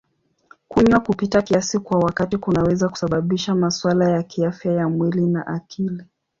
Kunywa kupita kiasi kwa wakati kunaweza kusababisha masuala ya kiafya ya mwili na akili.